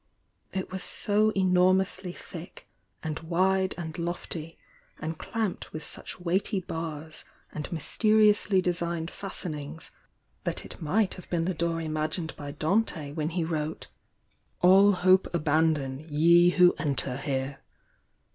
It was so enormously thick, and wide and lofty, and clamped with such weighty bars and mysteriously designed fastenings, that it might have been the door imag ined by Dante when he wrote: "All hope abandon, ye who enter here."